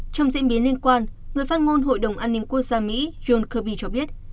trong diễn biến liên quan người phát ngôn hội đồng an ninh quốc gia mỹ john kirby cho biết